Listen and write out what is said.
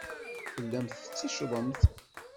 Tellamt tetteccḍemt.